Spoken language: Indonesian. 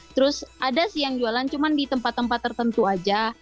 terus ada sih yang jualan cuma di tempat tempat tertentu aja